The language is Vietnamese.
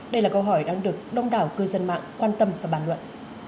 đây là câu hỏi đang được đông đảo cư dân mạng quan tâm và bàn luận